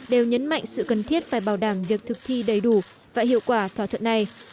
đều nhấn mạnh sự cần thiết phải bảo đảm việc thực thi đầy đủ và hiệu quả thỏa thuận này